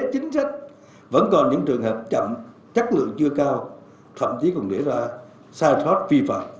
chính sách vẫn còn những trường hợp chậm chất lượng chưa cao thậm chí còn để ra sai sót vi phạm